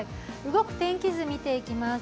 動く天気図見ていきます。